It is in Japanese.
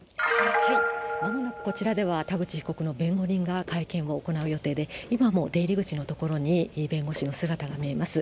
まもなく、こちらでは田口被告の弁護人が会見を行う予定で、今も出入り口の所に、弁護士の姿が見えます。